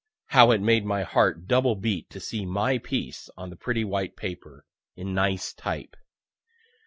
How it made my heart double beat to see my piece on the pretty white paper, in nice type.